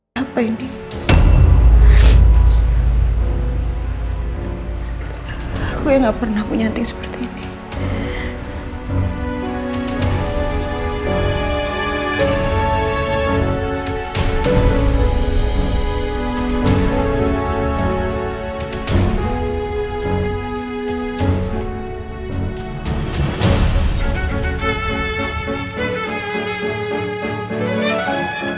jangan pergi jangan tinggalin kiki